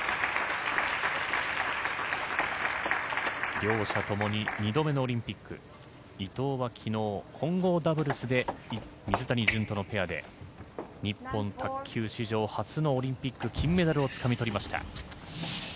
両者ともに２度目のオリンピック伊藤は昨日、混合ダブルスで水谷隼とのペアで日本卓球史上初のオリンピック金メダルをつかみ取りました。